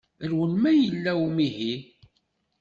Rwel ma yella umihi.